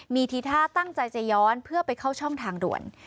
มีทีท่าตั้งใจจะย้อนเพื่อไปเข้าช่องทางด่วน